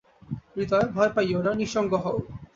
হৃদয়, ভয় পাইও না, নিঃসঙ্গ হও।